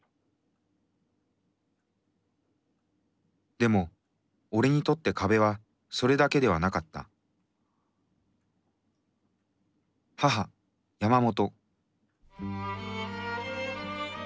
でも俺にとって壁はそれだけではなかった母山本